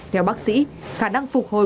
theo bác sĩ khả năng phục hồi